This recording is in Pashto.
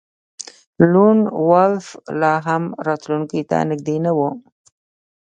لون وولف لاهم راتلونکي ته نږدې نه و